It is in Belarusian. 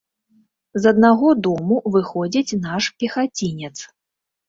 З аднаго дому выходзіць наш пехацінец.